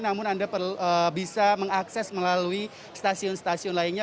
namun anda bisa mengakses melalui stasiun stasiun lainnya